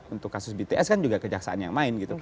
untuk kasus bts kan juga kejaksaan yang main gitu